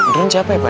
drone siapa ya pak